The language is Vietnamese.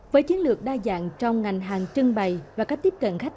với chiến lược đa dạng trong ngành hàng trưng bày